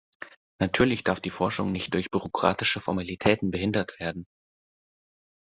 Natürlich darf die Forschung nicht durch bürokratische Formalitäten behindert werden.